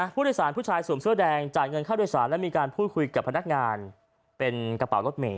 ผู้โดยสารผู้ชายสวมเสื้อแดงจ่ายเงินค่าโดยสารและมีการพูดคุยกับพนักงานเป็นกระเป๋ารถเมย